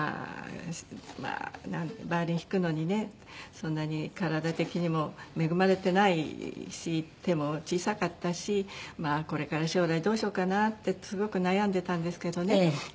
そんなに体的にも恵まれてないし手も小さかったしこれから将来どうしようかなってすごく悩んでたんですけどね。